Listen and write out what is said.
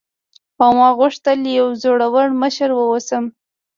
او ما غوښتل یوه زړوره مشره واوسم.